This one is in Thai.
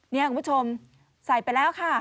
นี่คุณผู้ชมใส่ไปแล้วค่ะ